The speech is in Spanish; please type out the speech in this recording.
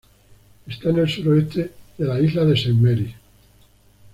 Está en el suroeste de la isla de Saint Mary's.